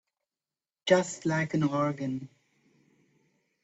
Just like an organ.